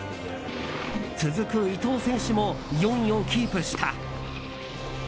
続く伊藤選手も４位をキープした。